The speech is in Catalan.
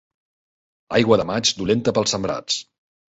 Aigua de maig, dolenta pels sembrats.